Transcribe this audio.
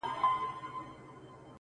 ميئن د كلي پر انجونو يمه؛